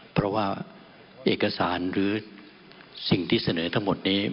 เพราะว่าเอกสารหรือสิ่งที่เสนอทั้งหมดนี้